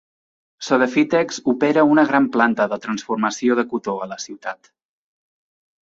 Sodefitex opera una gran planta de transformació de cotó a la ciutat.